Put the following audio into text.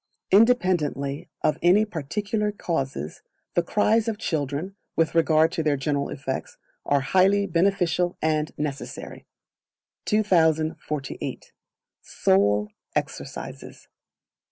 Independently of any particular causes, the cries of children, with regard to their general effects, are highly beneficial and necessary. 2048. Sole Exercises.